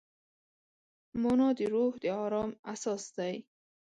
مانا د روح د ارام اساس دی.